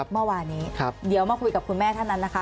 เมื่อวานนี้เดี๋ยวมาคุยกับคุณแม่ท่านนั้นนะคะ